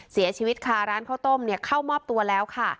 เสียชีวิตค่ะร้านข้าวต้มเข้ามอบตัวแล้วค่ะ